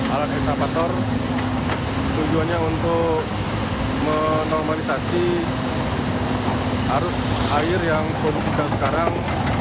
alat eksavator tujuannya untuk menormalisasi arus air yang berhubungan sekarang